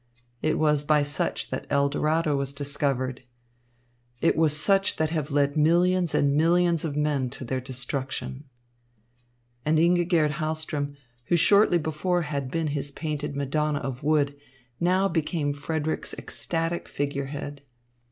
It was by such that El Dorado was discovered. It was such that have led millions and millions of men to their destruction. And Ingigerd Hahlström, who shortly before had been his painted Madonna of wood, now became Frederick's ecstatic figurehead.